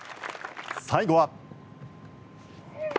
最後は。